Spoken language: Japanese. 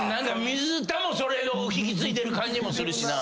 水田もそれを引き継いでる感じもするしな。